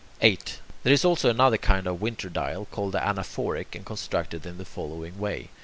8. There is also another kind of winter dial, called the Anaphoric and constructed in the following way.